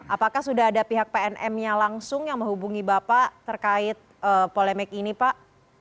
apakah sudah ada pihak pnm nya langsung yang menghubungi bapak terkait polemik ini pak